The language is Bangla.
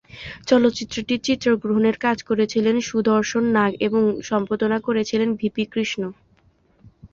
চলচ্চিত্রটির চিত্রগ্রহণের কাজ করেছিলেন সুদর্শন নাগ এবং সম্পাদনা করেছিলেন ভিপি কৃষ্ণ।